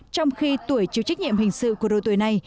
trong khi tuổi chịu trách nhiệm hình sự của đội tuổi này